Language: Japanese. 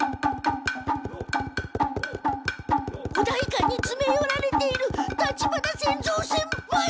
お代官につめ寄られている立花仙蔵先輩！